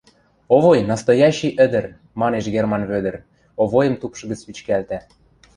— Овой — настоящий ӹдӹр! — манеш Герман Вӧдӹр, Овойым тупшы гӹц вичкӓлтӓ.